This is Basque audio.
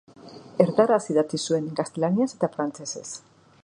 Erdaraz idatzi zuen: gaztelaniaz eta frantsesez.